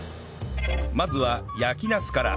まずは焼きナスから